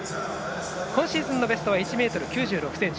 今シーズンのベストは１ｍ９６ｃｍ。